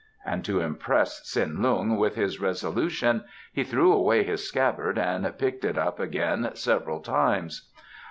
And to impress Tsin Lung with his resolution he threw away his scabbard and picked it up again several times.